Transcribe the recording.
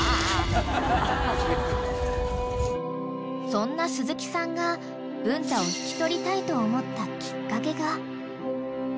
［そんな鈴木さんが文太を引き取りたいと思ったきっかけが］